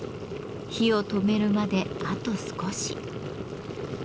火を止めるまであと少し。